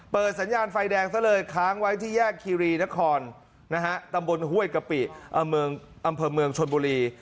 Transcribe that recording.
สัญญาณไฟแดงซะเลยค้างไว้ที่แยกคีรีนครนะฮะตำบลห้วยกะปิอำเภอเมืองชนบุรี